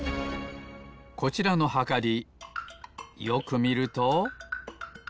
こちらのはかりよくみると。